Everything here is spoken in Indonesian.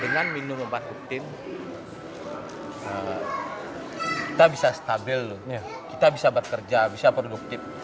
dengan minum obat rutin kita bisa stabil kita bisa bekerja bisa produktif